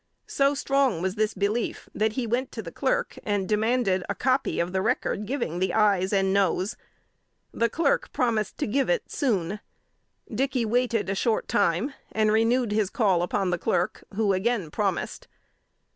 So strong was this belief, that he went to the Clerk, and demanded a copy of the record giving the ayes and noes. The Clerk promised to give it soon. Dickey waited a short time, and renewed his call on the Clerk, who again promised.